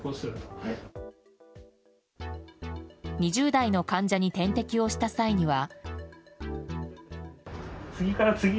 ２０代の患者に点滴をした際には。